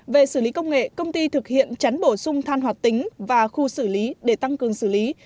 về xử lý công nghệ công ty thực hiện chắn bổ sung than hoạt tính và khu xử lý để tăng cường xử lý